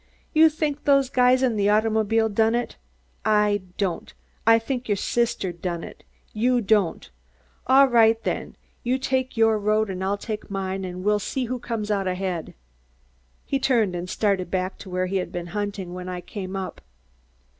You think those guys in the automobile done it. I don't. I think your sister done it. You don't. All right, then, you take your road and I'll take mine, and we'll see who comes out ahead." He turned and started back to where he had been hunting when I came up.